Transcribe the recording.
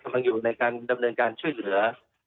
กำลังอยู่ในการดำเนินการช่วยเหลือ